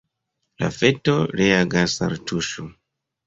La feto reagas al tuŝo.